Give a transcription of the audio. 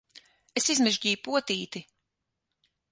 Es izmežģīju potīti!